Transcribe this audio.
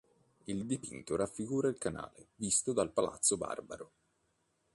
Il dipinto raffigura il canale, visto dal Palazzo Barbaro.